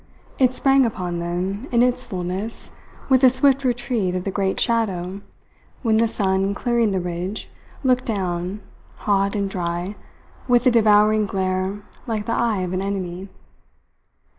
It sprang upon them in its fulness with a swift retreat of the great shadow when the sun, clearing the ridge, looked down, hot and dry, with a devouring glare like the eye of an enemy.